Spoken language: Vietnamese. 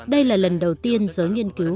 đây là lần đầu tiên giới nghiên cứu